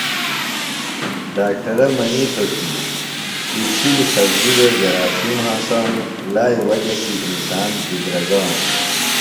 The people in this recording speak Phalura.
ڈاکٹرہ منیتوۡ کیۡ پڇھلیۡ سبزیۡ وےۡ جراثیم ہنسانوۡ۔ لائیۡ وجہ کیۡ انسان بدِرگانوۡ۔